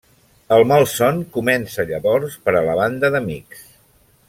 El malson comença llavors per a la banda d'amics.